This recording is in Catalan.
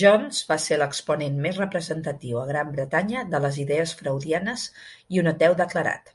Jones va ser l'exponent més representatiu a Gran Bretanya de les idees freudianes i un ateu declarat.